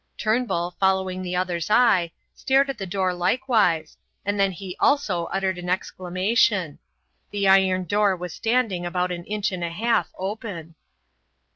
Turnbull, following the other's eye, stared at the door likewise, and then he also uttered an exclamation. The iron door was standing about an inch and a half open.